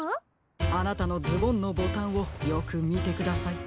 あなたのズボンのボタンをよくみてください。